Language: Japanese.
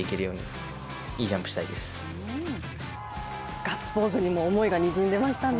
ガッツポーズにも思いがにじみ出ましたね。